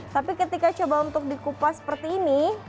tapi ketika coba untuk dikupas seperti ini